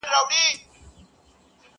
عطر دي د ښار پر ونو خپور کړمه.!